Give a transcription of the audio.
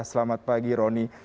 selamat pagi roni